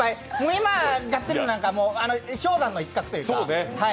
今やってるのなんか、氷山の一角というか。